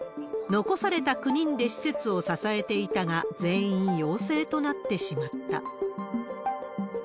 残された９人で施設を支えていたが、全員陽性となってしまった。